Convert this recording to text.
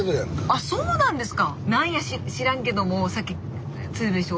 あそうなんですか